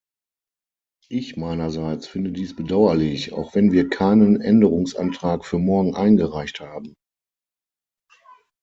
Ich meinerseits finde dies bedauerlich, auch wenn wir keinen Änderungsantrag für morgen eingereicht haben.